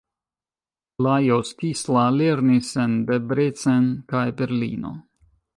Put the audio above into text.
Lajos Tisza lernis en Debrecen kaj Berlino.